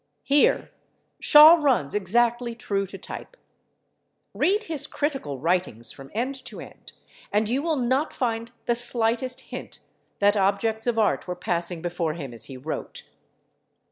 Here Shaw runs exactly true to type. Read his critical writings from end to end, and you will not find the slightest hint that objects of art were passing before him as he wrote.